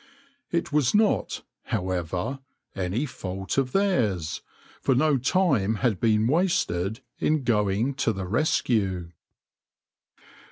It was not, however, any fault of theirs, for no time had been wasted in going to the rescue.